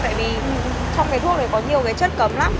tại vì trong cái thuốc này có nhiều cái chất cấm lắm